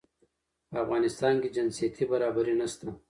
په افغانستان کې جنسيتي برابري نشته